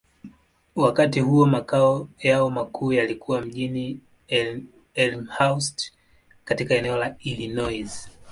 Wakati huo, makao yao makuu yalikuwa mjini Elmhurst, katika eneo la Illinois.